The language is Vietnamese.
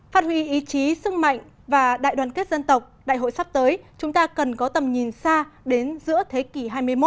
phát huy ý chí sức mạnh và đại đoàn kết dân tộc đại hội sắp tới chúng ta cần có tầm nhìn xa đến giữa thế kỷ hai mươi một